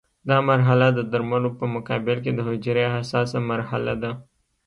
دا مرحله د درملو په مقابل کې د حجرې حساسه مرحله ده.